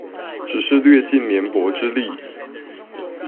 只是略盡棉薄之力